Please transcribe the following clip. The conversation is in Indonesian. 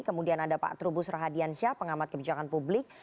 kemudian ada pak trubus rahadiansyah pengamat kebijakan publik